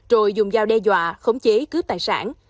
rồi dùng dao đe dọa khống chế cướp tài sản